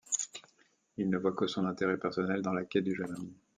Il ne voit que son intérêt personnel dans la quête du jeune homme.